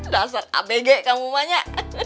dasar abg kamu banyak